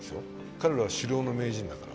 彼らは狩猟の名人だから。